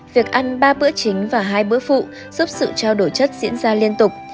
việc ăn ba bữa chính và hai bữa phụ giúp sự trao đổi chất diễn ra liên tục